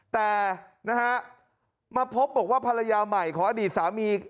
แต่นะฮะมาพบบอกว่าภรรยาใหม่ของอดีตสามี